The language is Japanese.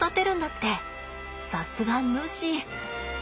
さすがヌシ。